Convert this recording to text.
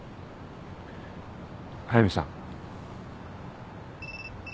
速見さん。